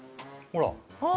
ほら。